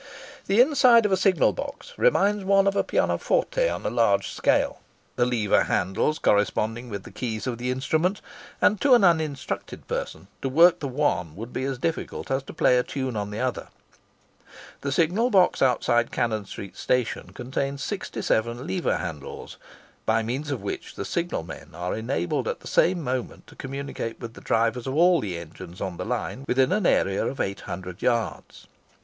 The inside of a signal box reminds one of a pianoforte on a large scale, the lever handles corresponding with the keys of the instrument; and, to an uninstructed person, to work the one would be as difficult as to play a tune on the other. The signal box outside Cannon Street Station contains 67 lever handles, by means of which the signalmen are enabled at the same moment to communicate with the drivers of all the engines on the line within an area of 800 yards.